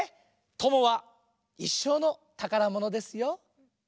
友はいっしょうのたからものですよ。